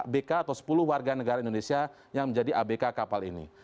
bk atau sepuluh warga negara indonesia yang menjadi abk kapal ini